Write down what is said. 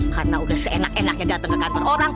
karena udah seenak enaknya datang ke kantor orang